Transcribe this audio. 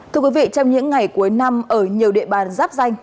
thưa quý vị trong những ngày cuối năm ở nhiều địa bàn giáp danh